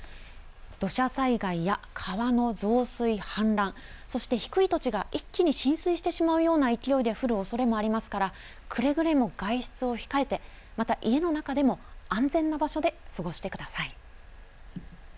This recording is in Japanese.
土砂災害や川の増水、氾濫、そして低い土地が一気に浸水してしまうような勢いで降るおそれもありますから、くれぐれも外出を控えて、また家の中でも安全な場所で過ごしてください。